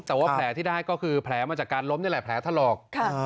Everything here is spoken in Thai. แต่ว่าแผลที่ได้ก็คือแผลมาจากการล้มนี่แหละแผลถลอก